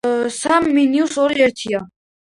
სამს მინუს ორი ერთია.